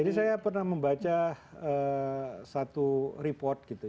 jadi saya pernah membaca satu report gitu ya